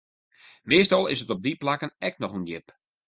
Meastal is it op dy plakken ek noch ûndjip.